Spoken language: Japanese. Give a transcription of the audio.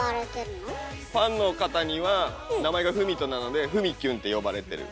ファンの方には名前が郁人なので「ふみきゅん」って呼ばれてる。